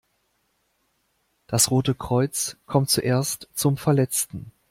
Das Rote Kreuz kommt zuerst zum Verletzten.